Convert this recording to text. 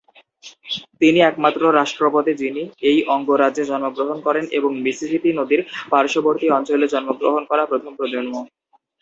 তিনি একমাত্র রাষ্ট্রপতি যিনি এই অঙ্গরাজ্যে জন্মগ্রহণ করেন এবং মিসিসিপি নদীর পার্শ্ববর্তী অঞ্চলে জন্মগ্রহণ করা প্রথম প্রজন্ম।